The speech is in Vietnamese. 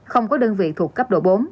không có đơn vị thuộc cấp độ bốn